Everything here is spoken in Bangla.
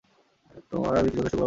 তোমাদের কি যথেষ্ট গোলাবারুদ আছে?